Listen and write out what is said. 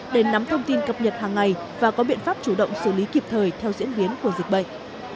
để nắm thông tin cập nhật hàng ngày và có biện pháp chủ động xử lý kịp thời theo diễn biến của dịch bệnh